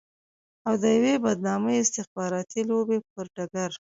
او د يوې بدنامې استخباراتي لوبې پر ډګر.